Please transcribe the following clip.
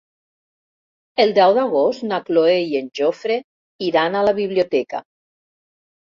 El deu d'agost na Cloè i en Jofre iran a la biblioteca.